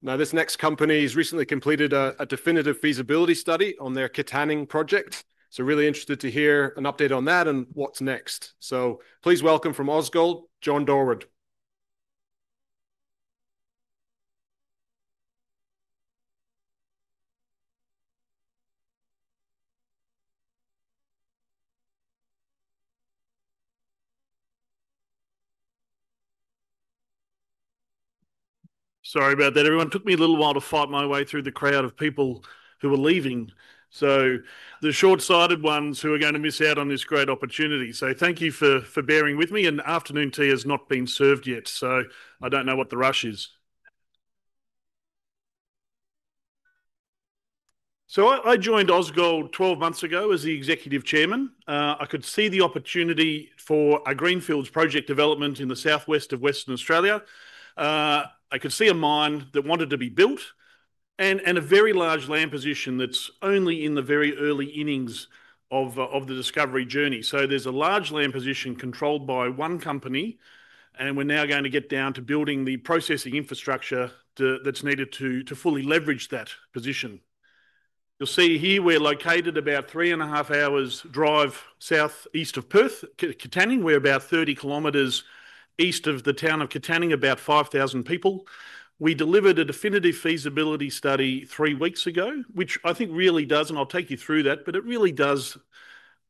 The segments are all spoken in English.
Now, this next company has recently completed a definitive feasibility study on their Katanning Gold Project. Really interested to hear an update on that and what's next. Please welcome from Ausgold Limited, John Dawood. Sorry about that, everyone. It took me a little while to fight my way through the crowd of people who were leaving. The short-sighted ones are going to miss out on this great opportunity. Thank you for bearing with me, and afternoon tea has not been served yet, so I don't know what the rush is. I joined Ausgold Limited 12 months ago as the Executive Chairman. I could see the opportunity for a greenfields project development in the southwest of Western Australia. I could see a mine that wanted to be built and a very large land position that's only in the very early innings of the discovery journey. There's a large land position controlled by one company, and we're now going to get down to building the processing infrastructure that's needed to fully leverage that position. You'll see here we're located about three and a half hours' drive southeast of Perth, Katanning. We're about 30 km east of the town of Katanning, about 5,000 people. We delivered a definitive feasibility study three weeks ago, which I think really does, and I'll take you through that, but it really does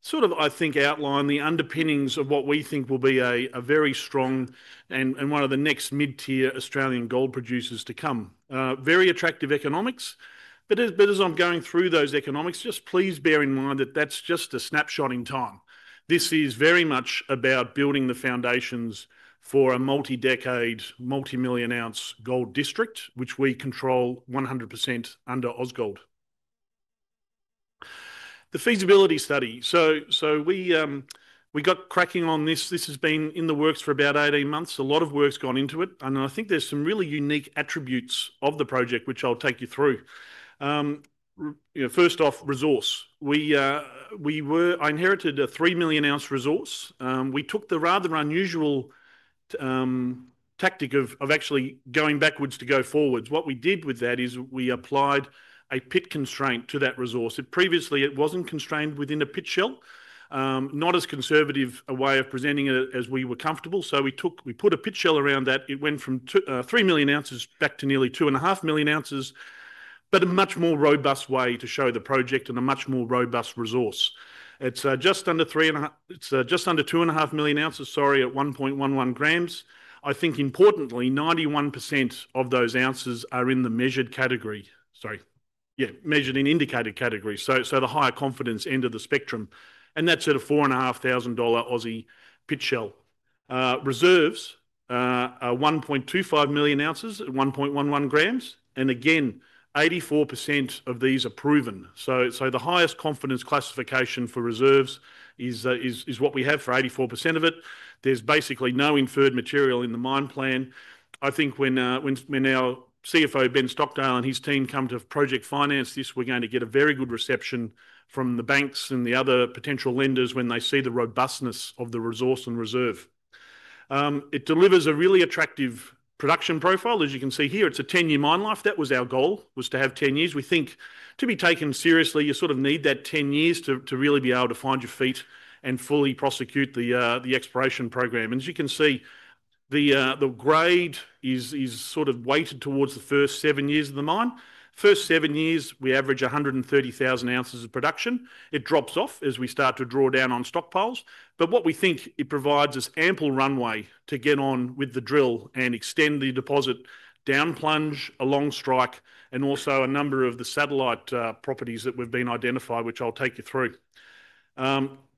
sort of, I think, outline the underpinnings of what we think will be a very strong and one of the next mid-tier Australian gold producers to come. Very attractive economics. As I'm going through those economics, just please bear in mind that that's just a snapshot in time. This is very much about building the foundations for a multi-decade, multi-million ounce gold district, which we control 100% under Ausgold Limited. The feasibility study. We got cracking on this. This has been in the works for about 18 months. A lot of work's gone into it, and I think there's some really unique attributes of the project, which I'll take you through. First off, resource. We inherited a 3 million oz resource. We took the rather unusual tactic of actually going backwards to go forwards. What we did with that is we applied a pit constraint to that resource. Previously, it wasn't constrained within a pit shell. Not as conservative a way of presenting it as we were comfortable. We put a pit shell around that. It went from three million ounces back to nearly 2.5 million oz, but a much more robust way to show the project and a much more robust resource. It's just under 2.5 million oz at 1.11 g. Importantly, 91% of those ounces are in the measured and indicated category, so the higher confidence end of the spectrum. That's at a $4,500 Aussie pit shell. Reserves are 1.25 million oz at 1.11 g, and again, 84% of these are proven. The highest confidence classification for reserves is what we have for 84% of it. There's basically no inferred material in the mine plan. When our CFO, Ben Stockdale, and his team come to project finance this, we're going to get a very good reception from the banks and the other potential lenders when they see the robustness of the resource and reserve. It delivers a really attractive production profile. As you can see here, it's a 10-year mine life. That was our goal, to have 10 years. We think to be taken seriously, you sort of need that 10 years to really be able to find your feet and fully prosecute the exploration program. As you can see, the grade is weighted towards the first seven years of the mine. First seven years, we average 130,000 oz of production. It drops off as we start to draw down on stockpiles. What we think it provides is ample runway to get on with the drill and extend the deposit, downplunge, along strike, and also a number of the satellite properties that we've identified, which I'll take you through.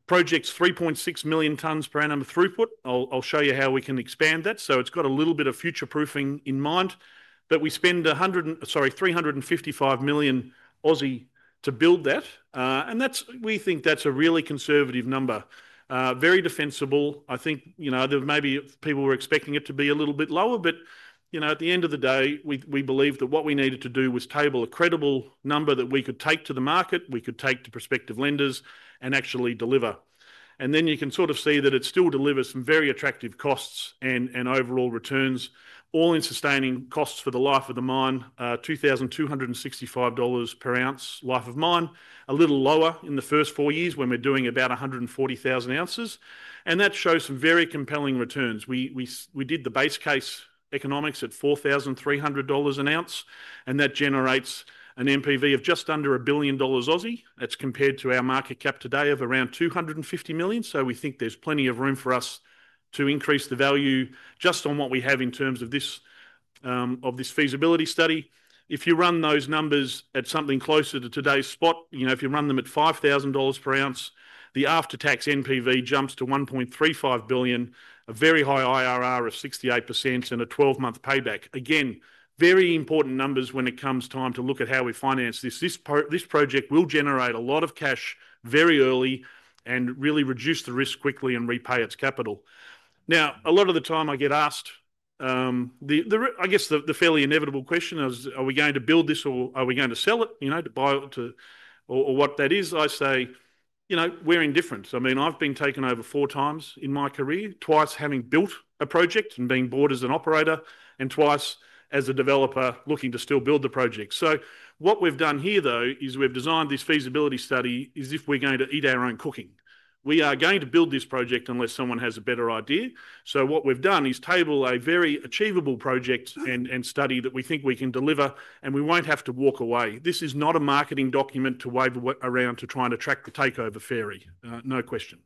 Project's 3.6 million tonnes per annum throughput. I'll show you how we can expand that. It's got a little bit of future proofing in mind. We spend $355 million Aussie to build that, and we think that's a really conservative number. Very defensible. Maybe people were expecting it to be a little bit lower, but at the end of the day, we believed that what we needed to do was table a credible number that we could take to the market, we could take to prospective lenders, and actually deliver. You can see that it still delivers some very attractive costs and overall returns. All-in sustaining costs for the life of the mine, $2,265 per ounce life of mine, a little lower in the first four years when we're doing about 140,000 oz. That shows some very compelling returns. We did the base case economics at $4,300 an ounce, and that generates an NPV of just under a billion dollars Aussie. That's compared to our market cap today of around $250 million. We think there's plenty of room for us to increase the value just on what we have in terms of this feasibility study. If you run those numbers at something closer to today's spot, if you run them at $5,000 per ounce, the after-tax NPV jumps to $1.35 billion, a very high IRR of 68%, and a 12-month payback. Again, very important numbers when it comes time to look at how we finance this. This project will generate a lot of cash very early and really reduce the risk quickly and repay its capital. A lot of the time I get asked, I guess the fairly inevitable question is, are we going to build this or are we going to sell it, to buy it or what that is? I say we're indifferent. I've been taken over four times in my career, twice having built a project and being board as an operator and twice as a developer looking to still build the project. What we've done here though is we've designed this feasibility study as if we're going to eat our own cooking. We are going to build this project unless someone has a better idea. What we've done is table a very achievable project and study that we think we can deliver, and we won't have to walk away. This is not a marketing document to wave around to try and attract the takeover fairy. No question.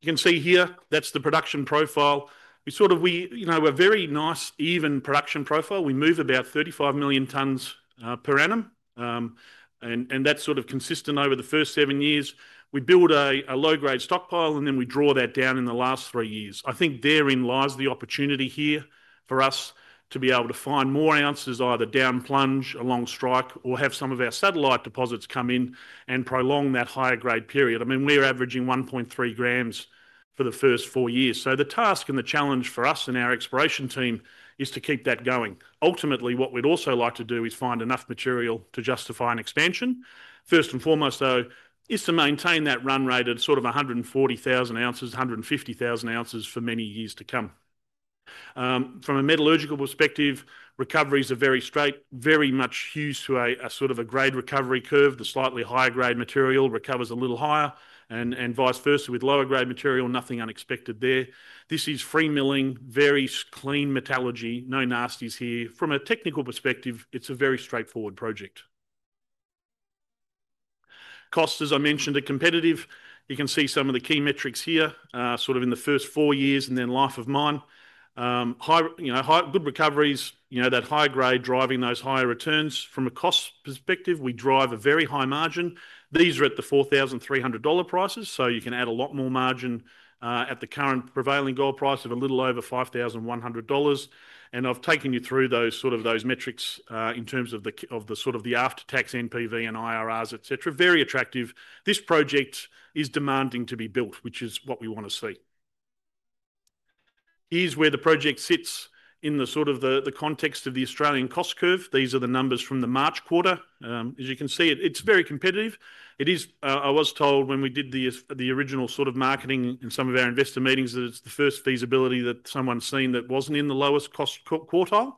You can see here, that's the production profile. We sort of, a very nice even production profile. We move about 35 million tonnes per annum. That's sort of consistent over the first seven years. We build a low-grade stockpile and then we draw that down in the last three years. I think therein lies the opportunity here for us to be able to find more ounces, either downplunge, along strike, or have some of our satellite deposits come in and prolong that higher grade period. We're averaging 1.3 g/t gold for the first four years. The task and the challenge for us and our exploration team is to keep that going. Ultimately, what we'd also like to do is find enough material to justify an expansion. First and foremost though, is to maintain that run rate at sort of 140,000 ounces, 150,000 oz for many years to come. From a metallurgical perspective, recoveries are very straight, very much huge to a sort of a grade recovery curve. The slightly higher grade material recovers a little higher and vice versa with lower grade material, nothing unexpected there. This is free milling, very clean metallurgy, no nasties here. From a technical perspective, it's a very straightforward project. Costs, as I mentioned, are competitive. You can see some of the key metrics here, sort of in the first four years and then life of mine. You know, good recoveries, you know, that higher grade driving those higher returns. From a cost perspective, we drive a very high margin. These are at the $4,300 prices, so you can add a lot more margin at the current prevailing gold price of a little over $5,100. I've taken you through those, sort of those metrics in terms of the sort of the after-tax NPV and IRRs, et cetera. Very attractive. This project is demanding to be built, which is what we want to see. Here's where the project sits in the sort of the context of the Australian cost curve. These are the numbers from the March quarter. As you can see, it's very competitive. I was told when we did the original sort of marketing in some of our investor meetings that it's the first feasibility that someone's seen that wasn't in the lowest cost quartile.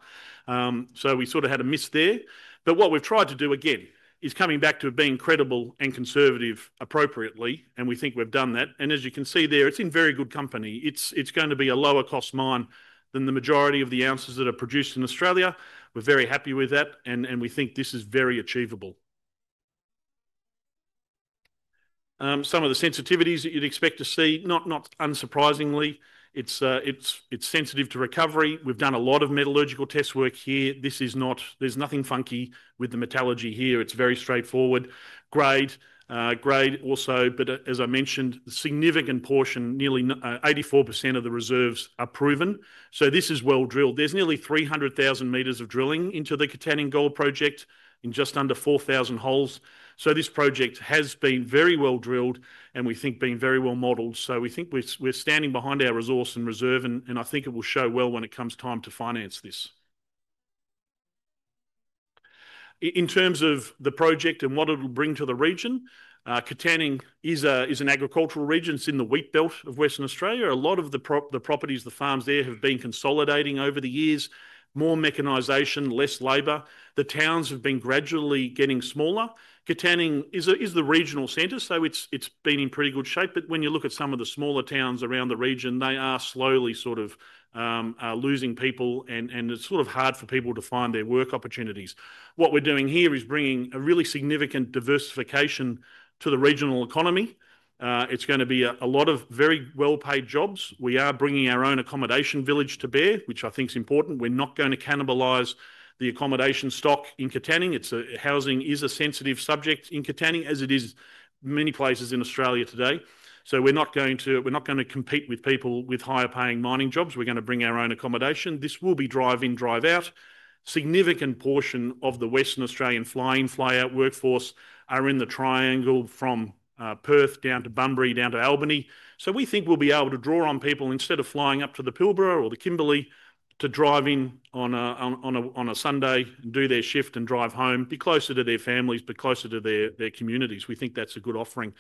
We sort of had a miss there. What we've tried to do again is coming back to being credible and conservative appropriately, and we think we've done that. As you can see there, it's in very good company. It's going to be a lower cost mine than the majority of the ounces that are produced in Australia. We're very happy with that, and we think this is very achievable. Some of the sensitivities that you'd expect to see, not unsurprisingly, it's sensitive to recovery. We've done a lot of metallurgical test work here. There's nothing funky with the metallurgy here. It's very straightforward. Grade also, but as I mentioned, a significant portion, nearly 84% of the reserves are proven. This is well drilled. There's nearly 300,000 m of drilling into the Katanning Gold Project in just under 4,000 holes. This project has been very well drilled and we think been very well modeled. We think we're standing behind our resource and reserve, and I think it will show well when it comes time to finance this. In terms of the project and what it'll bring to the region, Katanning is an agricultural region. It's in the wheat belt of Western Australia. A lot of the properties, the farms there have been consolidating over the years. More mechanization, less labor. The towns have been gradually getting smaller. Katanning is the regional centre, so it's been in pretty good shape, but when you look at some of the smaller towns around the region, they are slowly sort of losing people, and it's sort of hard for people to find their work opportunities. What we're doing here is bringing a really significant diversification to the regional economy. It's going to be a lot of very well-paid jobs. We are bringing our own accommodation village to bear, which I think is important. We're not going to cannibalise the accommodation stock in Katanning. Housing is a sensitive subject in Katanning, as it is many places in Australia today. We're not going to compete with people with higher paying mining jobs. We're going to bring our own accommodation. This will be drive-in, drive-out. A significant portion of the Western Australian fly-in, fly-out workforce are in the triangle from Perth down to Bunbury, down to Albany. We think we'll be able to draw on people instead of flying up to the Pilbara or the Kimberley to drive in on a Sunday and do their shift and drive home, be closer to their families, be closer to their communities. We think that's a good offering.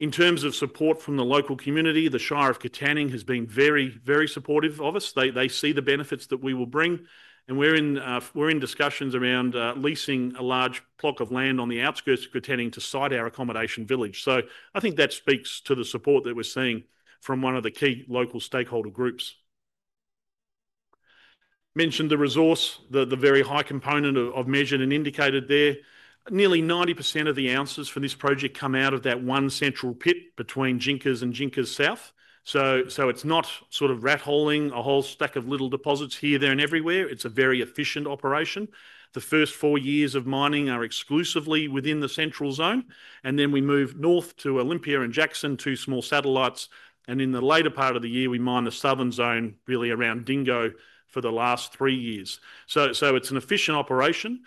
In terms of support from the local community, the Shire of Katanning has been very, very supportive of us. They see the benefits that we will bring, and we're in discussions around leasing a large plot of land on the outskirts of Katanning to site our accommodation village. I think that speaks to the support that we're seeing from one of the key local stakeholder groups. Mentioned the resource, the very high component of measured and indicated there. Nearly 90% of the ounces for this project come out of that one central pit between Jinkers and Jinkers South. It's not sort of ratholing a whole stack of little deposits here, there, and everywhere. It's a very efficient operation. The first four years of mining are exclusively within the central zone, then we move north to Olympia and Jackson, two small satellites. In the later part of the year, we mine the southern zone really around Dingo for the last three years. It's an efficient operation.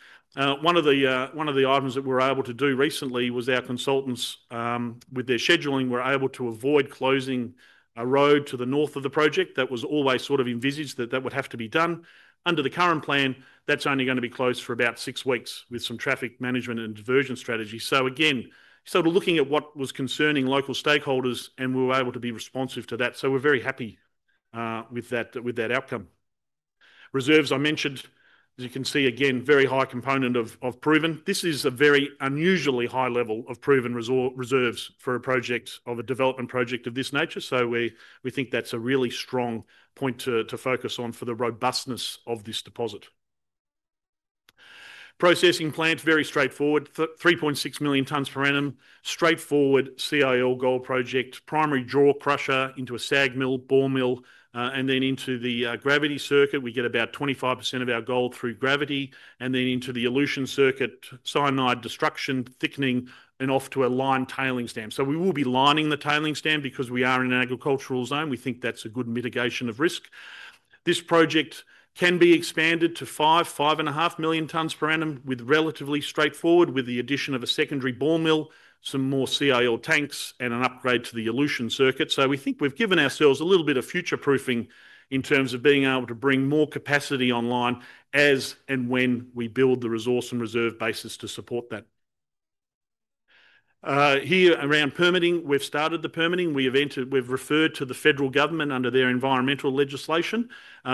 One of the items that we were able to do recently was our consultants with their scheduling were able to avoid closing a road to the north of the project. That was always sort of envisaged that that would have to be done. Under the current plan, that's only going to be closed for about six weeks with some traffic management and diversion strategy. Again, sort of looking at what was concerning local stakeholders, we were able to be responsive to that. We're very happy with that outcome. Reserves, I mentioned, as you can see again, very high component of proven. This is a very unusually high level of proven reserves for a development project of this nature. We think that's a really strong point to focus on for the robustness of this deposit. Processing plant, very straightforward. 3.6 million tonnes per annum. Straightforward CIL gold project. Primary jaw crusher into a SAG mill, ball mill, and then into the gravity circuit. We get about 25% of our gold through gravity and then into the elution circuit, cyanide destruction, thickening, and off to a lined tailings dam. We will be lining the tailings dam because we are in an agricultural zone. We think that's a good mitigation of risk. This project can be expanded to five, five and a half million tonnes per annum relatively straightforwardly, with the addition of a secondary ball mill, some more CIL tanks, and an upgrade to the elution circuit. We think we've given ourselves a little bit of future proofing in terms of being able to bring more capacity online as and when we build the resource and reserve base to support that. Here around permitting, we've started the permitting. We've referred to the federal government under their environmental legislation.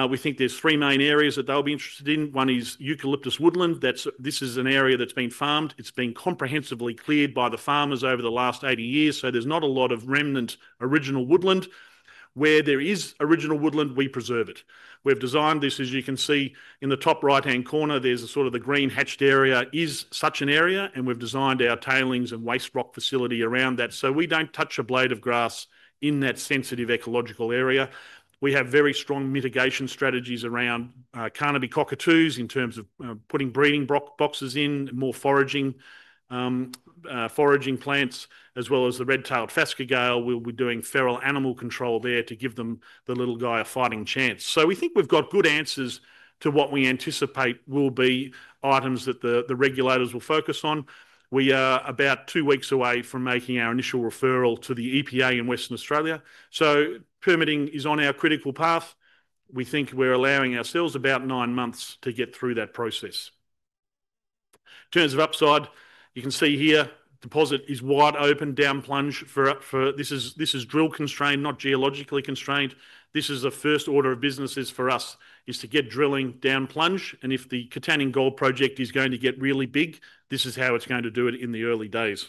We think there's three main areas that they'll be interested in. One is eucalyptus woodland. This is an area that's been farmed. It's been comprehensively cleared by the farmers over the last 80 years, so there's not a lot of remnant original woodland. Where there is original woodland, we preserve it. We've designed this, as you can see in the top right-hand corner, there's a sort of the green hatched area. It is such an area, and we've designed our tailings and waste rock facility around that. We don't touch a blade of grass in that sensitive ecological area. We have very strong mitigation strategies around Carnaby cockatoos in terms of putting breeding boxes in, more foraging plants, as well as the red-tailed phascogale. We'll be doing feral animal control there to give the little guy a fighting chance. We think we've got good answers to what we anticipate will be items that the regulators will focus on. We are about two weeks away from making our initial referral to the EPA in Western Australia. Permitting is on our critical path. We think we're allowing ourselves about nine months to get through that process. In terms of upside, you can see here the deposit is wide open, downplunge. This is drill constrained, not geologically constrained. The first order of business for us is to get drilling, downplunge, and if the Katanning Gold Project is going to get really big, this is how it's going to do it in the early days.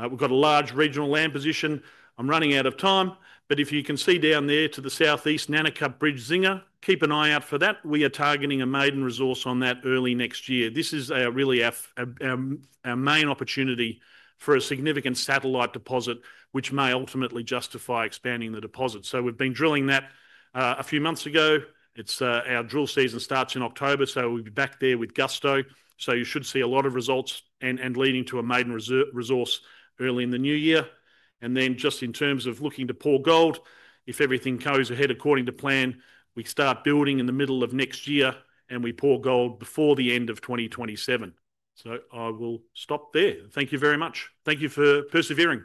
We've got a large regional land position. I'm running out of time, but if you can see down there to the southeast, Nanakup Bridge, Zinger, keep an eye out for that. We are targeting a maiden resource on that early next year. This is really our main opportunity for a significant satellite deposit, which may ultimately justify expanding the deposit. We've been drilling that a few months ago. Our drill season starts in October, so we'll be back there with gusto. You should see a lot of results and leading to a maiden resource early in the new year. In terms of looking to pour gold, if everything goes ahead according to plan, we start building in the middle of next year and we pour gold before the end of 2027. I will stop there. Thank you very much. Thank you for persevering.